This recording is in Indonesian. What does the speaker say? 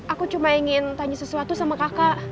aku cuma ingin tanya sesuatu sama kakak